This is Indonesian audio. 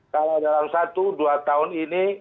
kalau dalam satu dua tahun ini